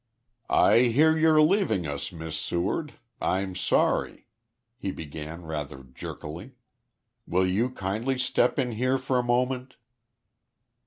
"I hear you're leaving us, Miss Seward. I'm sorry," he began rather jerkily. "Will you kindly step in here for a moment?"